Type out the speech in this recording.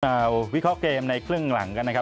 มาวิเคราะห์เกมในครึ่งหลังกันนะครับ